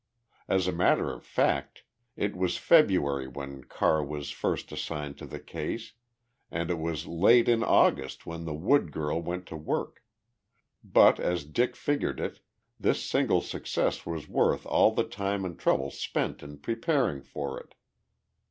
As a matter of fact, it was February when Carr was first assigned to the case and it was late in August when the Wood girl went to work. But, as Dick figured it, this single success was worth all the time and trouble spent in preparing for it.